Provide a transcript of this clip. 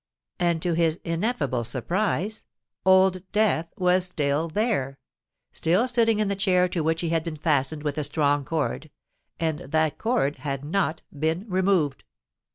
And, to his ineffable surprise, Old Death was still there,—still sitting in the chair to which he had been fastened with a strong cord;—and that cord had not been removed.